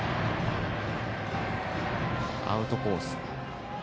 アウトコース。